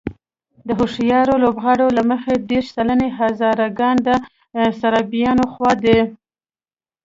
د هوښیارو لوبغاړو له مخې دېرش سلنه هزاره ګان د سرابيانو خوا دي.